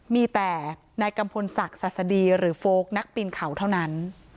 มีแต่นายกัมพลศักดิ์ศาสดีหรือโฟลกนักปีนเขาเท่านั้น